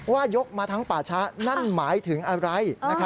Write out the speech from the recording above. ยกมาทั้งป่าช้านั่นหมายถึงอะไร